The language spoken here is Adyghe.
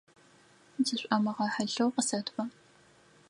Зышӏомыгъэхьылъэу, къысэтба.